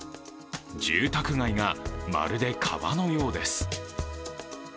住宅街がまるで川のようです。